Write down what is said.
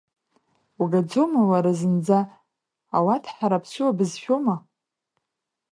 Угаӡома уара, зынӡа, Ауадҳара ԥсуа бызшәоума?